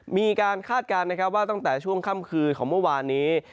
คาดการณ์นะครับว่าตั้งแต่ช่วงค่ำคืนของเมื่อวานนี้